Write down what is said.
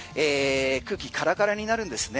空気カラカラになるんですね。